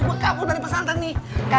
gue kabur dari pesantren nih